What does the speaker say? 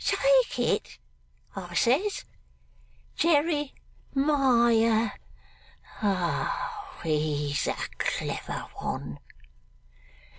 "Take it?" I says. "Jere mi ah?" Oh! he's a clever one!